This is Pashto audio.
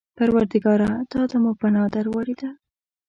پروردګاره! تا ته مو پناه در وړې ده.